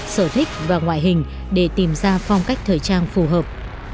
sở thích và ngoại hình để tìm ra phong cách thời trang phù hợp